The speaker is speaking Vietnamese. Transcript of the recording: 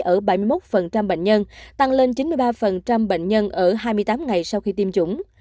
ở bảy mươi một bệnh nhân tăng lên chín mươi ba bệnh nhân ở hai mươi tám ngày sau khi tiêm chủng